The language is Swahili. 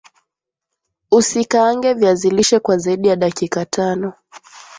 Usikaange viazi lishe kwa zaidi ya dakika tano